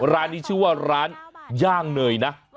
ร้านนี้ชื่อว่าร้านย่างเนยนะ